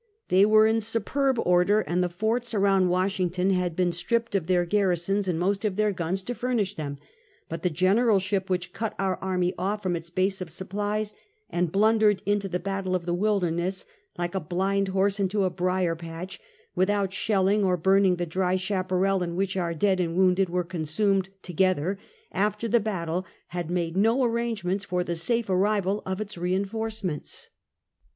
They were in superb order, and the forts around Washington had been stripped of their garrisons, and most of their guns, to furnish them; but the generalship which cut our army off from its base of supplies, and blundered into the battle of the Wilderness, like a blind horse into a briar patch, without shelling or burning the dry chapperal in which our dead and wounded were con sumed together, after the battle, had made no ar rangements for the safe arrival of its reinforcements.